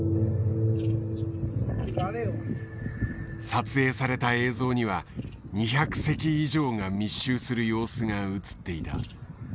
撮影された映像には２００隻以上が密集する様子が映っていた。